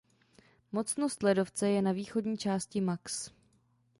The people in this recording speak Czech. Mocnost ledovce je na východní části max.